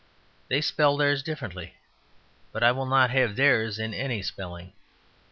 They spell theirs differently; but I will not have theirs in any spelling.